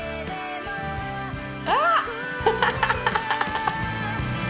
あっ！